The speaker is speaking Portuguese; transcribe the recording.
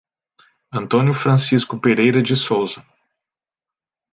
Antônio Francisco Pereira de Sousa